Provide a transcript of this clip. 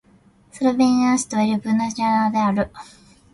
スロベニアの首都はリュブリャナである